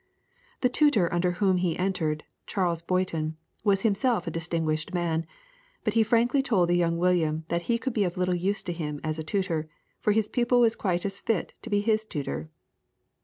The tutor under whom he entered, Charles Boyton, was himself a distinguished man, but he frankly told the young William that he could be of little use to him as a tutor, for his pupil was quite as fit to be his tutor.